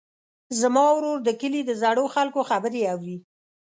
زما ورور د کلي د زړو خلکو خبرې اوري.